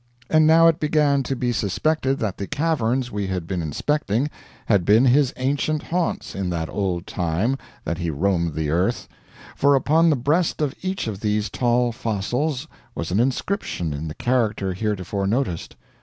And now it began to be suspected that the caverns we had been inspecting had been his ancient haunts in that old time that he roamed the earth for upon the breast of each of these tall fossils was an inscription in the character heretofore noticed.